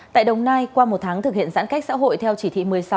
tại đồng nai qua một tháng thực hiện giãn cách xã hội theo chỉ thị một mươi sáu